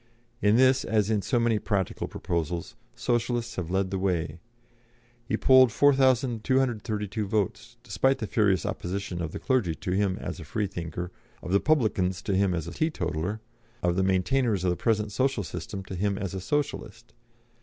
In this, as in so many practical proposals, Socialists have led the way. He polled 4,232 votes, despite the furious opposition of the clergy to him as a Freethinker, of the publicans to him as a teetotaler, of the maintainers of the present social system to him as a Socialist.